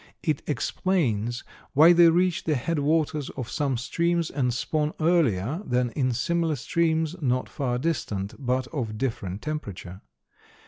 It explains why they reach the head waters of some streams and spawn earlier than in similar streams not far distant, but of different temperature.